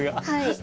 はい。